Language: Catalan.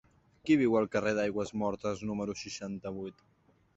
Qui viu al carrer d'Aigüesmortes número seixanta-vuit?